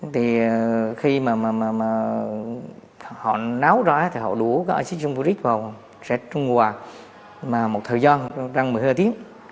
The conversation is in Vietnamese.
thì khi mà họ náo ra thì họ đũa cái acid sunguric vào sẽ trưng hòa một thời gian răng một mươi hai tiếng